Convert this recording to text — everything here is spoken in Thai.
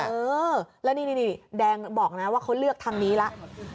เออแล้วนี่แดงบอกนะว่าเขาเลือกทางนี้แล้ว